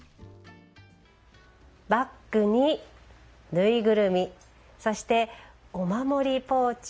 バッグに縫いぐるみそして、お守りポーチ。